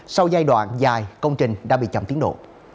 sau giai đoạn dài công trình đã bị chậm tiến độ